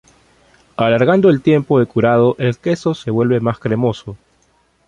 Alargando el tiempo de curado, el queso se vuelve más cremoso.